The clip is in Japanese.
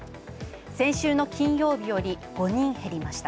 先週の金曜日より５人へりました。